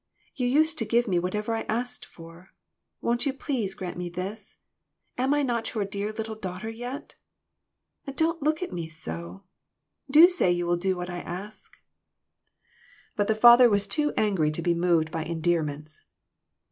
You used to give me whatever I asked for. Won't you please grant me this ? Am I not your dear little daughter yet ? Don't look at me so. Do say you will do what I ask." 330 FANATICISM. But the father was too angry to be moved by endearments.